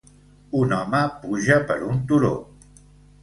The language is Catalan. Un home puja per un turó.